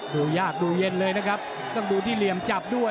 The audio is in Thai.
ดูยากดูเย็นเลยนะครับต้องดูที่เหลี่ยมจับด้วย